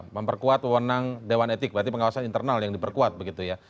memperkuat wewenang dewan etik berarti pengawasan internal yang diperkuat begitu ya